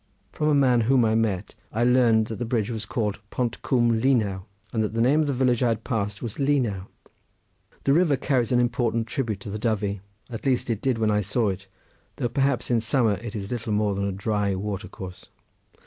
From a man whom I met I learned that the bridge was called Pont Coomb Linau, and that the name of the village I had passed was Linau. The river carries an important tribute to the Dyfi—at least it did when I saw it, though perhaps in summer it is little more than a dry water course.